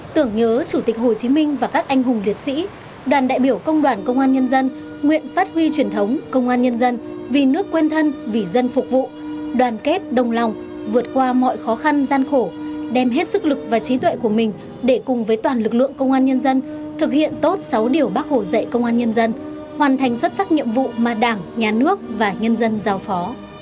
tưởng nhớ chủ tịch hồ chí minh và các anh hùng liệt sĩ đoàn đại biểu công đoàn công an nhân dân nguyện phát huy truyền thống công an nhân dân vì nước quen thân vì dân phục vụ đoàn kết đồng lòng vượt qua mọi khó khăn gian khổ đem hết sức lực và trí tuệ của mình để cùng với toàn lực lượng công an nhân dân thực hiện tốt sáu điều bác hổ dạy công an nhân dân hoàn thành xuất sắc nhiệm vụ mà đảng nhà nước và nhân dân giao phó